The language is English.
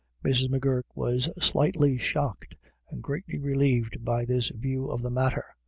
Mrs. M'Gurk was slightly shocked and greatly relieved by this view of the matter.